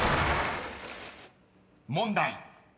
［問題］